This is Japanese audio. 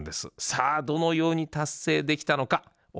さあどのように達成できたのか面白い話ですよ。